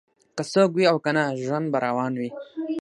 که څوک وي او کنه ژوند به روان وي